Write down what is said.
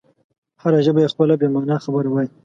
هره ژبه یې خپله بې مانا خبره وایي.